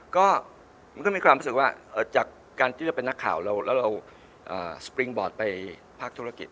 ก็มันก็มีความรู้สึกว่าจากการที่เราเป็นนักข่าวแล้วเราสปริงบอร์ดไปภาคธุรกิจ